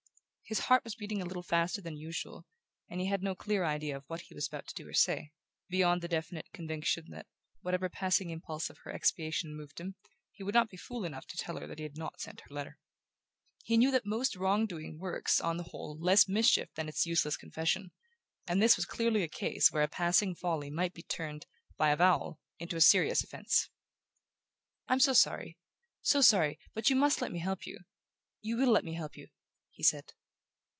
His heart was beating a little faster than usual and he had no clear idea of what he was about to do or say, beyond the definite conviction that, whatever passing impulse of expiation moved him, he would not be fool enough to tell her that he had not sent her letter. He knew that most wrongdoing works, on the whole, less mischief than its useless confession; and this was clearly a case where a passing folly might be turned, by avowal, into a serious offense. "I'm so sorry so sorry; but you must let me help you...You will let me help you?" he said.